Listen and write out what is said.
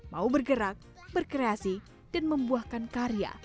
mau bergerak berkreasi dan membuahkan karya